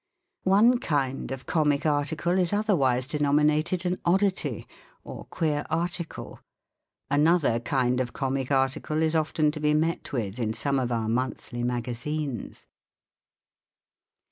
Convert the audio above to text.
One kind of comic article is otherwise denominated an oddity, or queer article. Another kind of comic article is often to be met with in some of our monthly magazines.